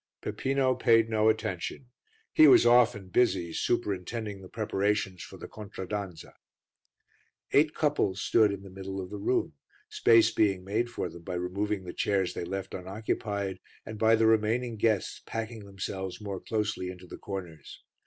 Peppino paid no attention: he was off and busy superintending the preparations for the contraddanza. Eight couples stood in the middle of the room, space being made for them by removing the chairs they left unoccupied, and by the remaining guests packing themselves more closely into the corners.